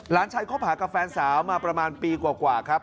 หลานชายเค้าผ่ากับแฟนสาวมาประมาณปีกว่า